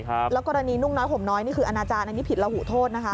และกรณีนุ่งน้อยห่วงน้อยนี่คืออาณาจารย์ผิดระหูโทษนะคะ